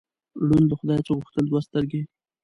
ړوند له خدایه څه غوښتل؟ دوه سترګې.